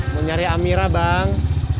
mau nyari amira bang